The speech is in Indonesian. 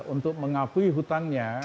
untuk mengakui hutangnya